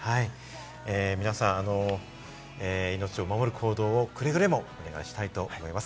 皆さん、命を守る行動をくれぐれもお願いしたいと思います。